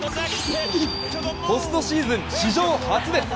ポストシーズン史上初です。